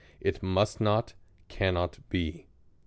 It must not, cannot be.